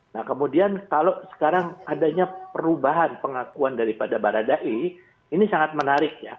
nah kemudian kalau sekarang adanya perubahan pengakuan daripada baradae ini sangat menarik ya